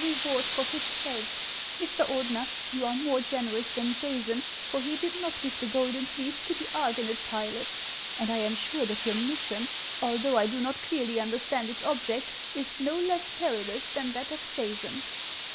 reward for his head ( Mr. Ordener, you are more generous than Jason, for he did not give the golden fleece to the Argonaut pilot ; and 1 am sure that your mission, although I do not clearly understand its object, is no less perilous than that of Jason."